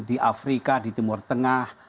di afrika di timur tengah